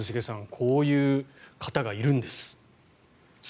こういう方がいるんです。